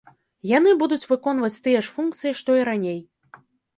Яны будуць выконваць тыя ж функцыі, што і раней.